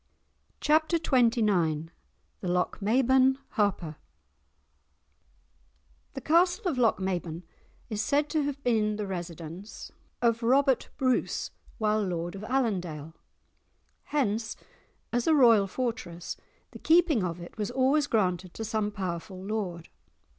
*Chapter XXIX* *The Lochmaben Harper* The castle of Lochmaben is said to have been the residence of Robert Bruce while Lord of Allandale. Hence, as a royal fortress, the keeping of it was always granted to some powerful lord.